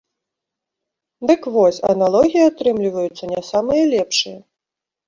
Дык вось, аналогіі атрымліваюцца не самыя лепшыя.